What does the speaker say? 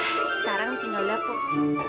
sekarang tinggal dapur